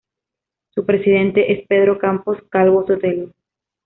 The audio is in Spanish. Su presidente es Pedro Campos Calvo-Sotelo.